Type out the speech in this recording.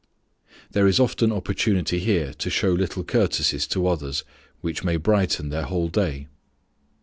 There is often opportunity here to show little courtesies to others which may brighten their whole day.